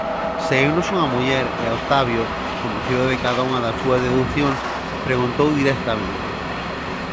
Saíunos unha muller e Octavio, convencido de cada unha das súas deducións, preguntou directamente: